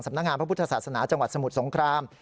นักงานพระพุทธศาสนาจังหวัดสมุทรสงคราม